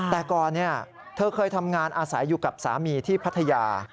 แต่ก่อนเธอเคยทำงานอาศัยอยู่กับสามีที่พัทยา